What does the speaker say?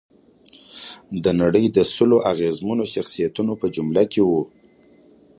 د نړۍ د سلو اغېزمنو شخصیتونو په جمله کې وه.